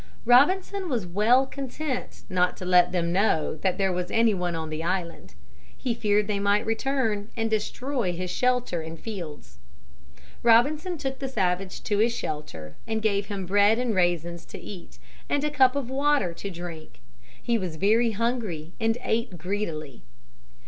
Robinson was well content not to let them know that there was any one on the island. He feared they might return and destroy his shelter and fields. Robinson took the savage to his shelter and gave him bread and raisins to eat, and a cup of water to drink. He was very hungry and ate greedily.